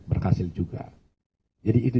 berhasil juga jadi ini